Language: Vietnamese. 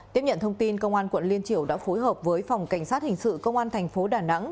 tiếp nhận thông tin công an quận liên triểu đã phối hợp với phòng cảnh sát hình sự công an thành phố đà nẵng